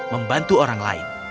membantu orang lain